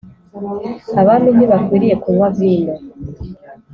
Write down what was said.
abami ntibakwiriye kunywa vino,